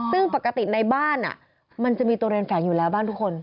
ซึ่งปกติในบ้านมันจะมีตัวเรียนแฝงอยู่แล้วบ้านทุกคน